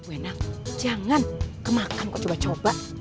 buena jangan kemakam kok coba coba